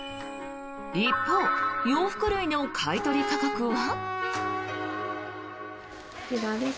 一方、洋服類の買い取り価格は？